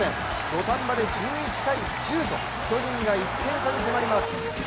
土壇場で１１−１０と巨人が１点差に迫ります。